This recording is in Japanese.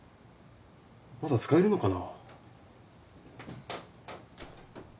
まだ使えるのかな？